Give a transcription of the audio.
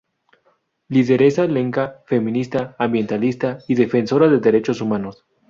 Lideresa Lenca, Feminista, ambientalista y defensora de Derechos Humanos.